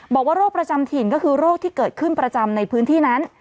บอกว่าโรคประจำถิ่นก็คือโรคที่เกิดขึ้นประจำในพื้นที่นั้น